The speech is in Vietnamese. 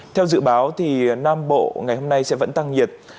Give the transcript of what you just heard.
theo dự báo thì nam bộ ngày hôm nay sẽ vẫn tăng nhiệt